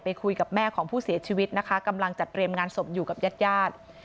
คุยกับแม่ของผู้เสียชีวิตนะคะกำลังจัดเตรียมงานศพอยู่กับญาติญาติ